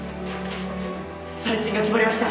再審が決まりました！